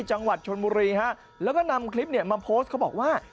จังหวัดชนบุรีฮะแล้วก็นำคลิปเนี่ยมาโพสต์เขาบอกว่า